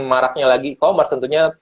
maraknya lagi e commerce tentunya